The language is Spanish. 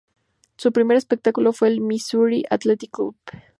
Su primer espectáculo fue en el Misuri Athletic Club.